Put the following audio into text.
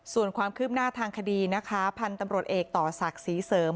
ส่วนความคืบหน้าทางคดีนะคะพันธุ์ตำรวจเอกต่อศักดิ์ศรีเสริม